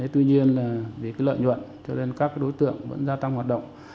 tuy nhiên là vì lợi nhuận cho nên các đối tượng vẫn gia tăng hoạt động